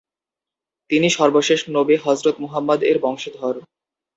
তিনি সর্বশেষ নবী হযরত মোহাম্মদ -এর বংশধর।